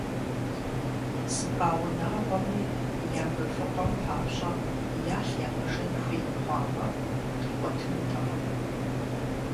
ЗыпӀа унагъуэми я быфыкъуэм папщӀэ ялъ ягъэжэн хуей хъуамэ, къикӀуэтынутэкъым.